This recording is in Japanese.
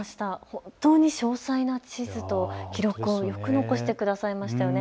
本当に詳細な地図と記録をよく残してくださいましたよね。